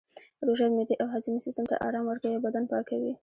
روژه معدې او هاضمې سیستم ته ارام ورکوي او بدن پاکوي